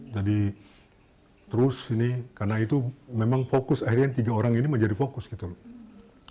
jadi terus ini karena itu memang fokus akhirnya tiga orang ini menjadi fokus gitu loh